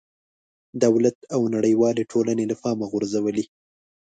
دولت او نړېوالې ټولنې له پامه غورځولې.